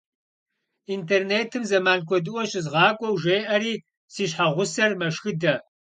Интернетым зэман куэдыӏуэ щызгъакӏуэу жеӏэри, си щхьэгъусэр мэшхыдэ.